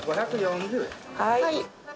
はい。